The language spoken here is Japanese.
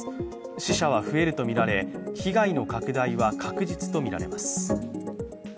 死者は増えるとみられ被害の拡大は確実とみられます。